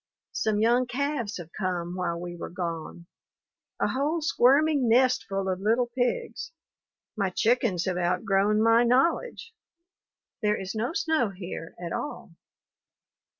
Some young calves have come while we were gone; a whole squirming nest full of little pigs. My chickens have outgrown my knowledge. There is no snow here at all.